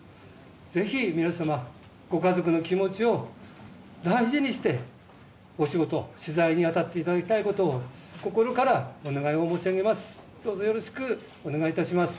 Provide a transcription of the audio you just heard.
ぜひ皆様ご家族の気持ちを大事にしてお仕事、取材に当たっていただきたいことを心からお願い申し上げます。